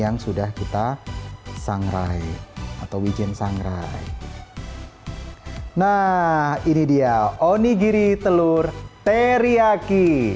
nah ini dia onigiri telur teriyaki